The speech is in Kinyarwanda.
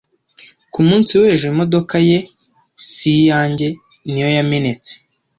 Ku munsi w'ejo, imodoka ye, si iyanjye, ni yo yamenetse.